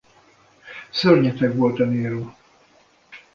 Szörnyeteg volt-e Nero?